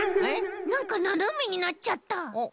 なんかななめになっちゃった。